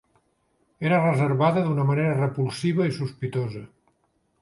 Era reservada d'una manera repulsiva i sospitosa.